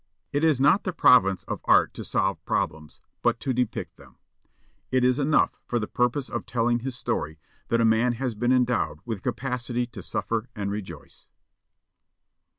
It is not the province of art to solve problems, but to depict them. It is enough for the purpose of telling his story that a man has been endowed with capacity to suffer and rejoice.